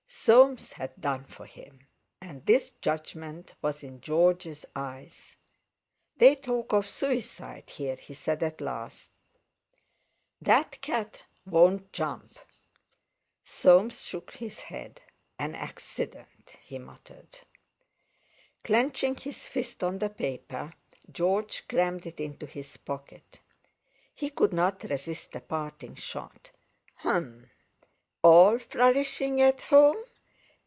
Soames had done for him! And this judgment was in George's eyes. "They talk of suicide here," he said at last. "That cat won't jump." Soames shook his head. "An accident," he muttered. Clenching his fist on the paper, George crammed it into his pocket. He could not resist a parting shot. "H'mm! All flourishing at home?